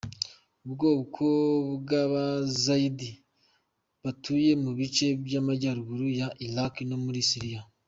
Ubwoko bw’Abayazidi butuye mu bice by’amajyaruguru ya Iraq no muri Siriya.